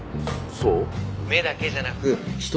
そう。